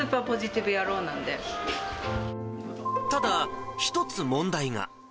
本当、ただ、一つ問題が。